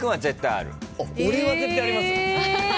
俺は絶対あります？